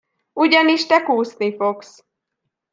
Ugyanis te kúszni fogsz.